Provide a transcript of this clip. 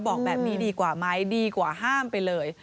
บอกแบบนี้ดีกว่าไหมดีกว่าห้ามไปเลย